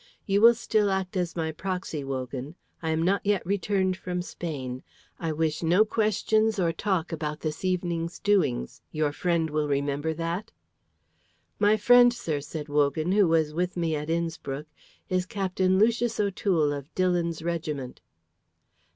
You will still act as my proxy, Wogan. I am not yet returned from Spain. I wish no questions or talk about this evening's doings. Your friend will remember that?" "My friend, sir," said Wogan, "who was with me at Innspruck, is Captain Lucius O'Toole of Dillon's regiment."